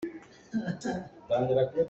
Phaisa pelpawite lawng ka ngei.